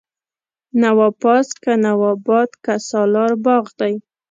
نواپاس، که نواباد که سالار باغ دی